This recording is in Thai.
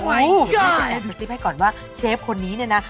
เป็นแบบประสิทธิ์ให้ก่อนว่าเชฟคนนี้เนี่ยนะ